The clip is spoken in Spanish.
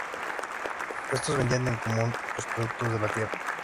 Estos vendían en común los productos de la tierra.